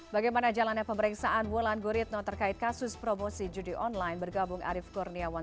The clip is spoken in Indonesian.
bagaimana jalannya pemeriksaan wulan guritno terkait kasus promosi judi online bergabung arief kurniawan